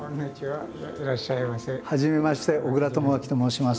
はじめまして小倉智昭と申します。